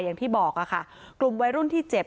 อย่างที่บอกค่ะกลุ่มวัยรุ่นที่เจ็บ